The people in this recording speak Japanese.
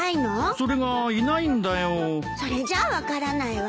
それじゃ分からないわ。